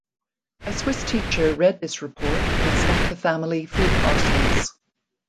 A Swiss teacher read this report and sent the family food parcels.